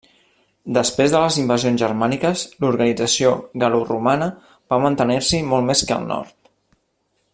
Després de les invasions germàniques, l'organització gal·loromana va mantenir-s'hi molt més que al nord.